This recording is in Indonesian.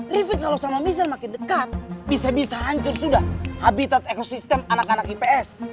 riffic kalau sama misal makin dekat bisa bisa hancur sudah habitat ekosistem anak anak ips